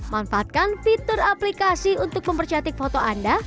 manfaatkan fitur aplikasi untuk mempercantik foto anda